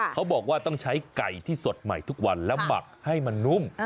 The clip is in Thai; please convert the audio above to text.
เขาบอกว่าต้องใช้ไก่ที่สดใหม่ทุกวันและหมักให้มันนุ่ม